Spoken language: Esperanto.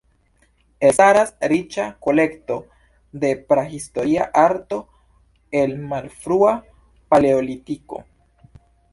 Elstaras riĉa kolekto de prahistoria arto el Malfrua Paleolitiko.